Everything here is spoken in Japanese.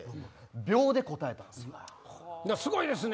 すごいですね！